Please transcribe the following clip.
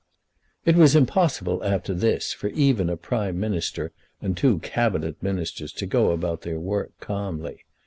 It was impossible after this for even a Prime Minister and two Cabinet Ministers to go about their work calmly.